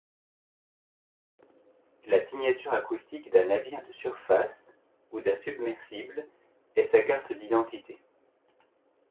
La signature acoustique d'un navire de surface ou d'un submersible est sa carte d'identité.